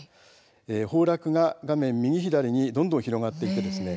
崩落が画面右左にどんどん広がっていきます。